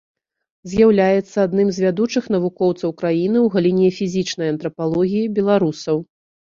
З'яўляецца адным з вядучых навукоўцаў краіны ў галіне фізічнай антрапалогіі беларусаў.